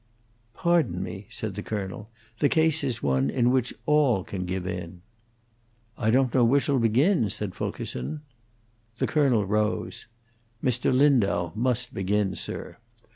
"Pardon me," said the colonel, "the case is one in which all can give in." "I don't know which 'll begin," said Fulkerson. The colonel rose. "Mr. Lindau must begin, sir.